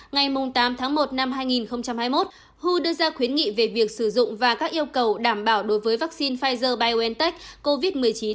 ngày tám tháng một năm hai nghìn hai mươi một hu đưa ra khuyến nghị về việc sử dụng và các yêu cầu đảm bảo đối với vaccine pfizer biontech covid một mươi chín